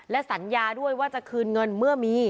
และสัญญาด้วยว่าจะคืนเงินเมื่อมี